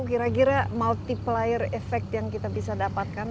kira kira multiplier effect yang kita bisa dapatkan